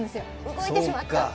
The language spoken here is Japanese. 動いてしまったら。